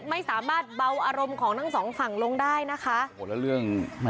กูไม่จอดขวางก็อะไรมึง